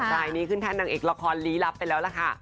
รายนี้ขึ้นแทนนางเอกละครรีเลิฟไปแล้วนะคะ